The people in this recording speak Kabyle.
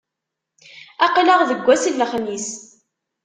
Aql-aɣ deg ass n lexmis.